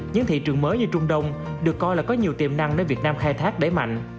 những thị trường mới như trung đông được coi là có nhiều tiềm năng để việt nam khai thác đẩy mạnh